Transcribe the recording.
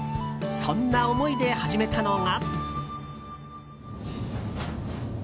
そんな思いで始めたのが。